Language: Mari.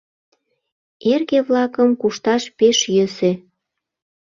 Эрге-влакым кушташ пеш йӧсӧ.